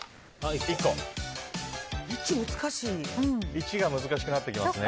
１が難しくなってきますね